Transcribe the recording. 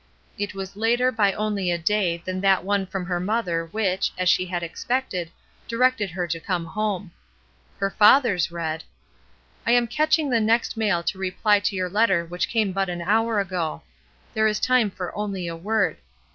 It was later by only a day than that one from her mother which, as she had expected, directed her to come home. Her father's read: — "I am catching the next mail to reply to your letter which came but an hour ago; there is time for only a word.